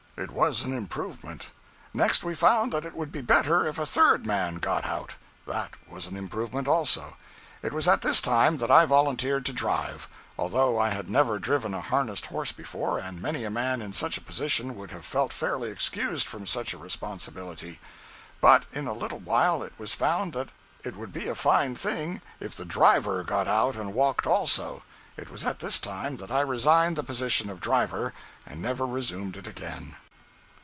It was an improvement. Next, we found that it would be better if a third man got out. That was an improvement also. It was at this time that I volunteered to drive, although I had never driven a harnessed horse before and many a man in such a position would have felt fairly excused from such a responsibility. But in a little while it was found that it would be a fine thing if the drive got out and walked also. It was at this time that I resigned the position of driver, and never resumed it again.